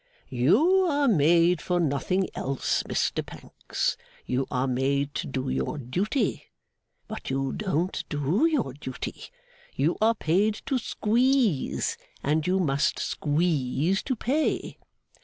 'You are made for nothing else, Mr Pancks. You are made to do your duty, but you don't do your duty. You are paid to squeeze, and you must squeeze to pay.